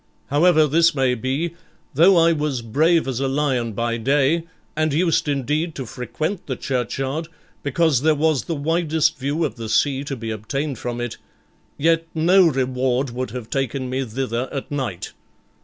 However this may be, though I was brave as a lion by day, and used indeed to frequent the churchyard, because there was the widest view of the sea to be obtained from it, yet no reward would have taken me thither at night.